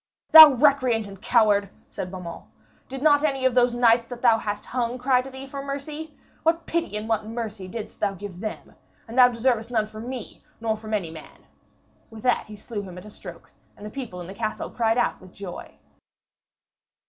'Thou recreant and coward!' said Beaumains. 'Did not any of those knights that thou hast hung cry to thee for mercy? What pity and what mercy didst thou give them? And thou deservest none from me, nor from any man!' With that he slew him at a stroke, and the people in the castle cried out with joy.